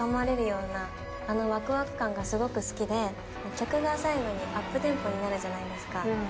曲が最後にアップテンポになるじゃないですか。